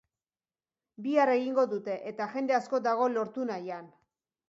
Bihar egingo dute, eta jende asko dago lortu nahian.